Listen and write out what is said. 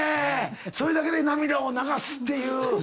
それだけで涙を流すっていう。